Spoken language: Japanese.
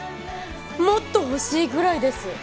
もっとほしいぐらいです